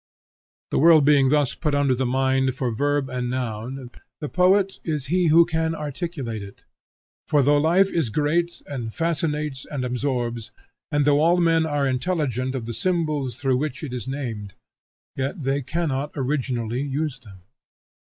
The world being thus put under the mind for verb and noun, the poet is he who can articulate it. For though life is great, and fascinates, and absorbs; and though all men are intelligent of the symbols through which it is named; yet they cannot originally use them.